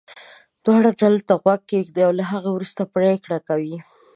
دواړو ډلو ته غوږ ږدي او له هغې وروسته پرېکړه کوي.